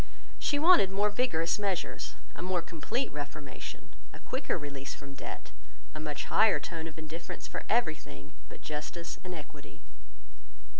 She wanted more vigorous measures, a more complete reformation, a quicker release from debt, a much higher tone of indifference for everything but justice and equity.